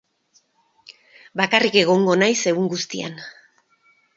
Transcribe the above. Bakarrik egongo naiz egun guztian.